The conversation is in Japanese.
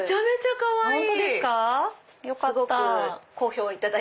かわいい！